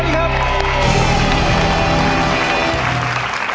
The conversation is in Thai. ไม่ใช่ครับ